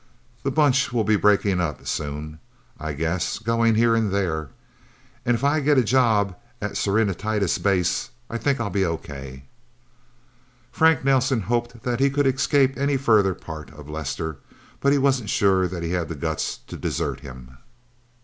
The Bunch will be breaking up, soon, I guess going here and there. And if I get a job at Serenitatis Base, I think I'll be okay." Frank Nelsen hoped that he could escape any further part of Lester, but he wasn't sure that he had the guts to desert him.